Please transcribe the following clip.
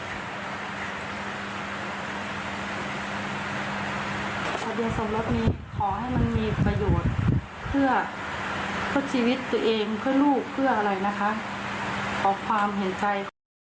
ประเด็นสมรสนี้ขอให้มันมีประโยชน์เพื่อชีวิตตัวเองเพื่อลูกเพื่ออะไรนะคะขอความเห็นใจค่ะ